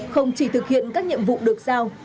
không chỉ thực hiện các nhiệm vụ được sao